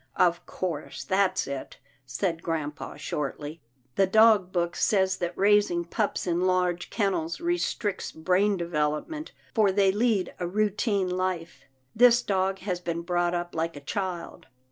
" Of course that's it," said grampa shortly, " the dog book says that raising pups in large kennels restricts brain development, for they lead a routine life. This dog has been brought up like a child."